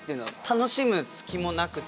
楽しむ隙もなく！